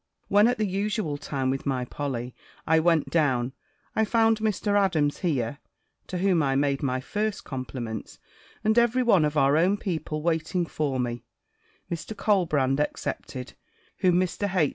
When, at the usual time, (with my Polly) I went down, I found Mr. Adams here (to whom I made my first compliments), and every one of our own people waiting for me, Mr. Colbrand excepted (whom Mr. H.